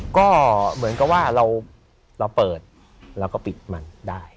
ก็เหมือนกับว่าเราเปิดเราก็ปิดมันได้